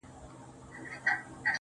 کاڼی مي د چا په لاس کي وليدی,